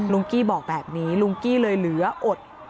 กี้บอกแบบนี้ลุงกี้เลยเหลืออด